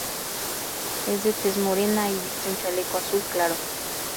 Es de tez morena y viste un chaleco azul claro.